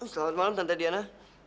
selamat malam tante diana